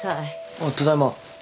あっただいま。